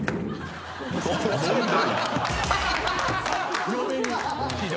問題。